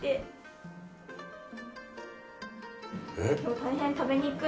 大変食べにくい鰹節。